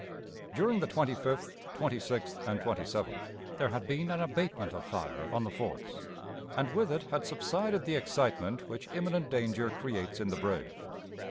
During the 25th, 26th, and 27th, there had been an abatement of fire on the forts, and with it had subsided the excitement which imminent danger creates in the brave.